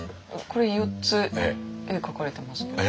これ４つ絵描かれてますけど。